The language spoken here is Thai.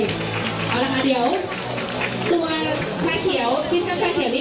เอาล่ะเพราะว่าช่ายเขียวที่ช่องช่ายเขียวนี้